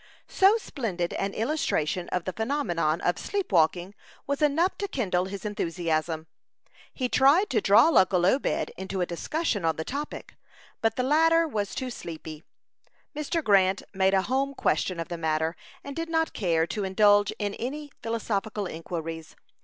So splendid an illustration of the phenomenon of sleepwalking was enough to kindle his enthusiasm. He tried to draw uncle Obed into a discussion on the topic, but the latter was too sleepy. Mr. Grant made a home question of the matter, and did not care to indulge in any philosophical inquiries.